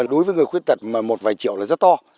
đối với người khuyết tật mà một vài triệu là rất to